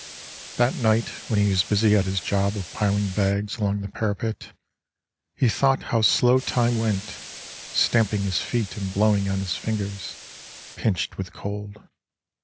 That night when he was busy at his job Of piling bags along the parapet, He thought how slow time went, stamping his feet And blowing on his fingers, pinched with cold.